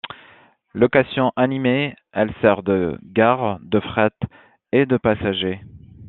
Location animée, elle sert de gare de fret et de passagers.